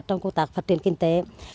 trong công tác phát triển kinh tế